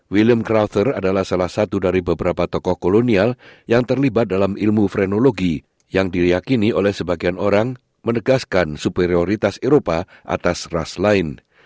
william crowther adalah salah satu dari beberapa tokoh kolonial yang terlibat dalam ilmu frenologi yang diyakini oleh sebagian orang menegaskan superioritas eropa atas ras lain